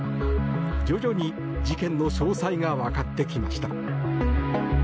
徐々に事件の詳細がわかってきました。